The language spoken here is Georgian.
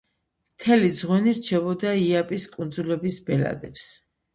მთელი ძღვენი რჩებოდა იაპის კუნძულების ბელადებს.